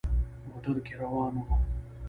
موټر کې روان وو.